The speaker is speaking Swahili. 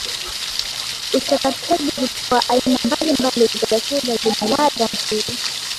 uchakataji hutoa aina mbali mbali za vyakula zenye ladha nzuri